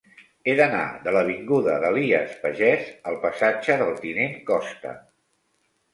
He d'anar de l'avinguda d'Elies Pagès al passatge del Tinent Costa.